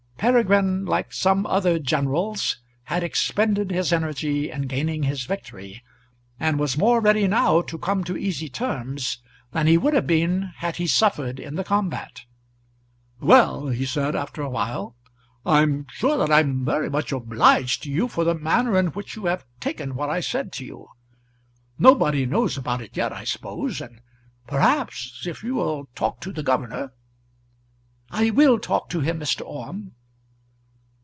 Peregrine, like some other generals, had expended his energy in gaining his victory, and was more ready now to come to easy terms than he would have been had he suffered in the combat. [Illustration: Peregrine's Eloquence.] "Well," he said after a while, "I'm sure I'm very much obliged to you for the manner in which you have taken what I said to you. Nobody knows about it yet, I suppose; and perhaps, if you will talk to the governor " "I will talk to him, Mr. Orme."